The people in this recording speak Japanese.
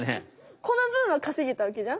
このぶんはかせげたわけじゃん。